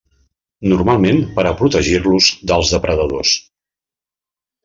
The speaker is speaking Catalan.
Normalment per a protegir-los dels depredadors.